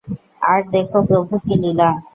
আর দেখো প্রভুর কী লীলা।